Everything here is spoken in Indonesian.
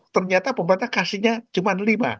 ternyata pemerintah kasihnya cuma lima